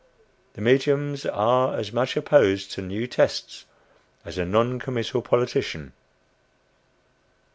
The mediums are as much opposed to "new tests" as a non committal politician.